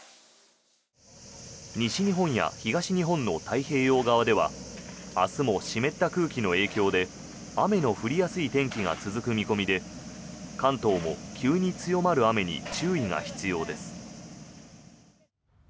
西日本や東日本の太平洋側では明日も湿った空気の影響で雨の降りやすい天気が続く見込みで関東も急に強まる雨に注意が必要です。